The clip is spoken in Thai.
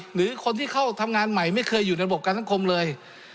หรือคนที่เข้าทำงานใหม่ไม่เคยอยู่ในระบบการสังคมเลย